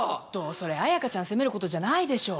それ綾華ちゃんを責めるところじゃないでしょう。